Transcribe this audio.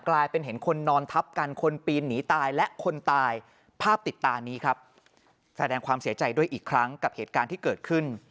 กลายเป็นเห็นคนนอนทับกันคนปีนหนีตายและคนตายภาพติดตานี้ครับแสดงความเสียใจด้วยอีกครั้งกับเหตุการณ์ที่เกิดขึ้น